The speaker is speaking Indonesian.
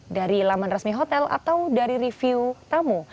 dari laman resmi hotel atau dari review tamu